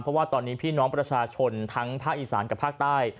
เพราะว่าตอนนี้พี่น้องประชาชนทั้งภาคอีสานกับภาคใต้